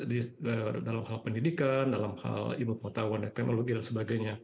dari segi dalam hal pendidikan dalam hal imut potawan teknologi dsb